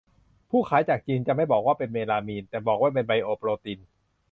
ผู้ขายจากจีน จะไม่บอกว่าเป็นเมลามีน แต่บอกว่าเป็นไบโอโปรตีน